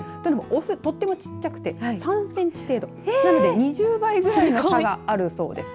オス、とっても小さくて３センチ程度なので２０倍ぐらいの差があるそうです。